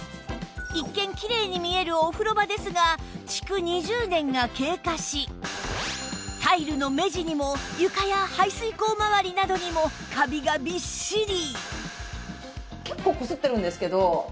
一見キレイに見えるお風呂場ですが築２０年が経過しタイルの目地にも床や排水口まわりなどにもカビがびっしり！